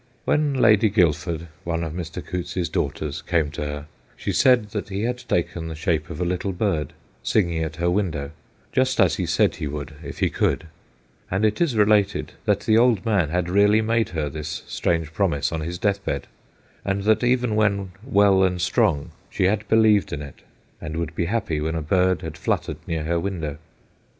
When Lady Guilford, one of Mr. Coutts's daughters, came to her, she said that he had taken the shape of a little bird, singing at her window, just as he said he would if he could, and it is related that the old man had really made her this strange promise on his death bed, and that even when well and strong she had believed in it, and would be happy when a bird had fluttered near her window.